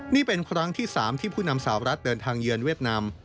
นี่เป็นครั้งที่๓ที่ผู้นำสาวรัฐเดินทางเยือนเวียดนาม